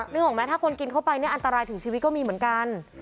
นึกออกไหมถ้าคนกินเข้าไปเนี่ยอันตรายถึงชีวิตก็มีเหมือนกัน